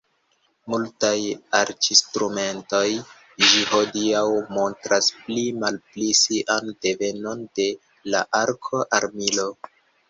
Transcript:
Multaj arĉinstrumentoj ĝis hodiaŭ montras pli malpli sian devenon de la arko-armilo.